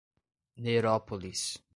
Nerópolis